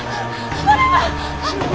これは！